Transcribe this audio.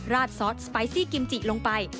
ซอสสไปซี่กิมจิลงไป